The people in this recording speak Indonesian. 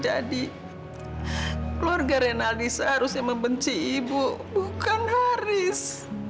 apa yang sudah terjadi keluarga renaldisa harusnya membenci ibu bukan haris